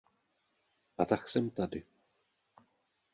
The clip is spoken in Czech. A tak jsem tady.